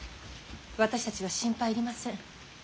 私たちは心配いりません。